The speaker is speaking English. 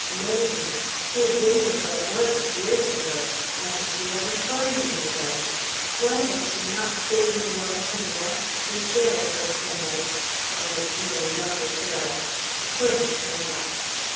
Millton! She had been there but once, years ago how could she ever find anybody? Why had she not stayed in Warbleton and asked the sheriff or somebody no, not the sheriff. Cornish, perhaps.